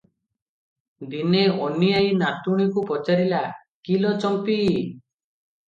ଦିନେ ଅନୀ ଆଈ ନାତୁଣୀକୁ ପଚାରିଲା, "କି ଲୋ ଚମ୍ପି!